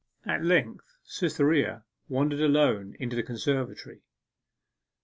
At length Cytherea wandered alone into the conservatory.